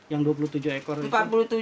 yang dua puluh tujuh ekor itu